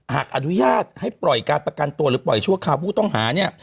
หากอนุญาตให้ปล่อยการประกันตัวหรือปล่อยชั่วคราวผู้ต้องหาเนี่ย